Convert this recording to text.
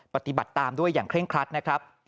ปฏิบัติตามด้วยอย่างเคร่งครัดนะครับ